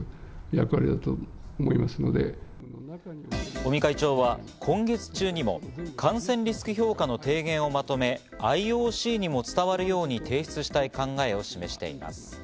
尾身会長は、今月中にも感染リスク評価の提言をまとめ、ＩＯＣにも伝わるように提出したい考えを示しています。